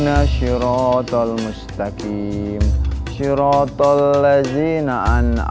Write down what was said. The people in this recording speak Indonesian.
assalamualaikum warahmatullah wabarakatuh